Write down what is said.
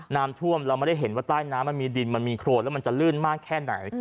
น้ำท่วมเราไม่ได้เห็นว่าใต้น้ำมันมีดินมันมีโครนแล้วมันจะลื่นมากแค่ไหน